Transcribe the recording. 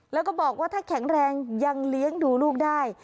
แล้วก็บอกว่าถ้าแข็งแรงยังเลี้ยงดูลูกได้